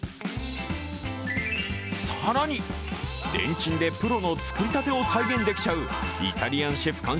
更に、レンチンでプロの作りたてを再現できちゃうイタリアンシェフ